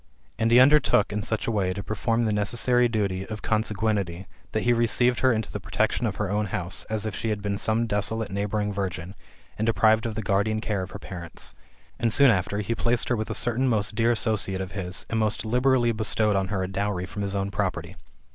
And he undertook, in such a way, to perform the necessary duty of consanguinity, that he received her into the protection of his own house, as if she had been some desolate neighbouring virgin, and deprived of the guardian care of her parents; and soon after he placed her with a certain most dear associate of his, and most liberally bestowed on her a dowry from his own property.